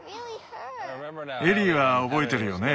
エリーは覚えてるよね？